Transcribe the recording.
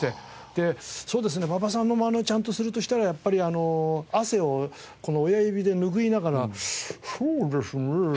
でそうですね馬場さんのマネちゃんとするとしたらやっぱり汗をこの親指で拭いながらそうですねえ